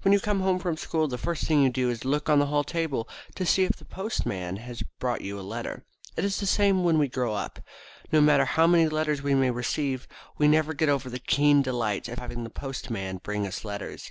When you come home from school the first thing you do is to look on the hall table to see if the Postman has brought you a letter. It is the same when we grow up. No matter how many letters we may receive we never get over the keen delight at having the Postman bring us letters.